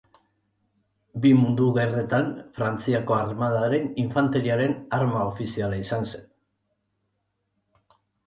Bi Mundu Gerretan, Frantziako Armadaren infanteriaren arma ofiziala izan zen.